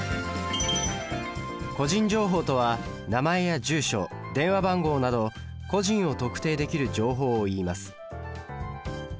個人情報とは名前や住所電話番号など個人を特定できる情報をいいます。